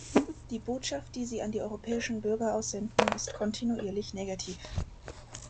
Die Botschaft, die sie an die europäischen Bürger aussenden, ist kontinuierlich negativ.